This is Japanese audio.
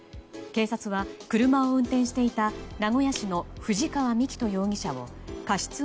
警察は車を運転していた名古屋市の藤川幹人容疑者を過失